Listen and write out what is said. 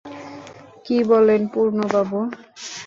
কী বলেন পূর্ণবাবু?